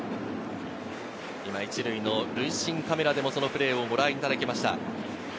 １塁塁審カメラでもそのプレーをご覧いただきました。